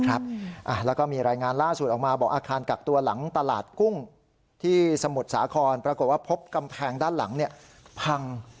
แล้วก็มีรายงานล่าสุดออกมาบอกอาคารกักตัวหลังตลาดกุ้งที่สมุทรสาครปรากฏว่าพบกำแพงด้านหลังพัง